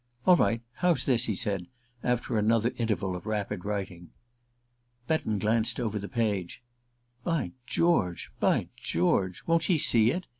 "All right how's this?" he said, after another interval of rapid writing. Betton glanced over the page. "By George by George! Won't she see it?"